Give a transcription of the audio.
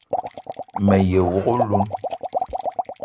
Me ye wok oloun